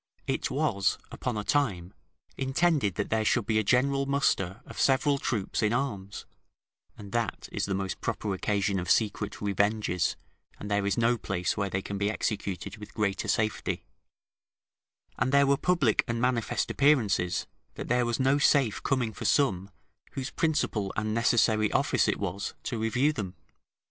It was upon a time intended that there should be a general muster of several troops in arms (and that is the most proper occasion of secret revenges, and there is no place where they can be executed with greater safety), and there were public and manifest appearances, that there was no safe coming for some, whose principal and necessary office it was to review them.